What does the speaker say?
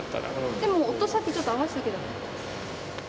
でも音さっきちょっと合わせたけど。